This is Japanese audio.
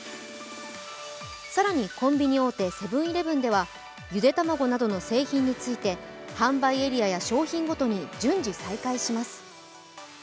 更にコンビニ大手、セブン−イレブンではゆで卵等の製品について販売エリアや商品ごとに順次再開します。